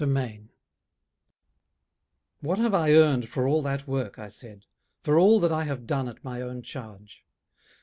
THE PEOPLE 'What have I earned for all that work,' I said, 'For all that I have done at my own charge?